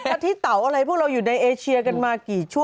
อาทิเต๋าอะไรพวกเราอยู่ในเอเชียกันมากี่ชั่ว